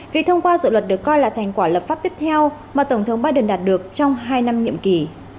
vì thông qua dự luật được coi là thành quả lập pháp tiếp theo mà tổng thống biden đạt được trong hai năm nhiệm kỳ